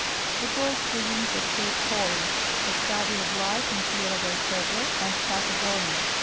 The Gold Diggings of Cape Horn: A Study of Life in Tierra del Fuego and Patagonia.